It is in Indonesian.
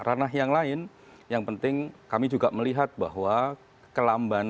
ranah yang lain yang penting kami juga melihat bahwa kelambanan